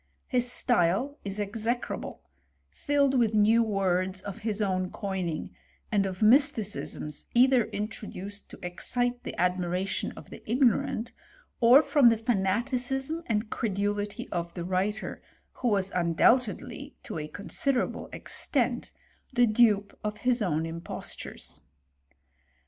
His style is execrable ; filled with new words of his own coining, and of mysticismi either introduced to excite the admiration of the igno«* rant, or from the fanaticism and credulity of the writer, who was undoubtedly, to a considerable extent, the dupe of his own impostures.